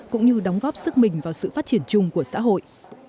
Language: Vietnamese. cũng như đóng góp sức mình vào sự phát triển chung của xã hội